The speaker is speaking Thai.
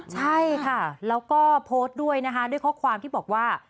ใช่ค่ะแล้วก็โพสต์ด้วยนะคะด้วยข้อความที่บอกว่า